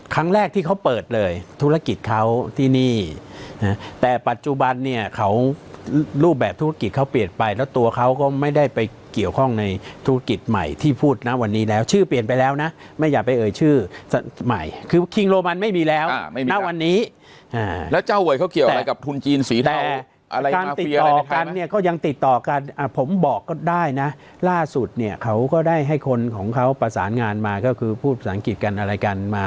ครั้งแรกที่เขาเปิดเลยธุรกิจเขาที่นี่แต่ปัจจุบันเนี่ยเขารูปแบบธุรกิจเขาเปลี่ยนไปแล้วตัวเขาก็ไม่ได้ไปเกี่ยวข้องในธุรกิจใหม่ที่พูดนะวันนี้แล้วชื่อเปลี่ยนไปแล้วนะไม่อยากไปเอ่ยชื่อใหม่คือคิงโรมันไม่มีแล้วอ่าไม่มีนะวันนี้อ่าแล้วเจ้าเวยเขาเกี่ยวอะไรกับทุนจีนสีเทาแต่การติดต่อกันเนี่ย